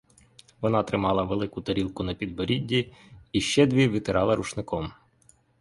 Вона тримала велику тарілку на підборідді і ще дві витирала рушником.